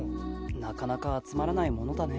なかなか集まらないものだね。